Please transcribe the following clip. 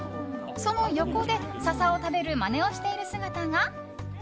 その横でササを食べるまねをしている姿が。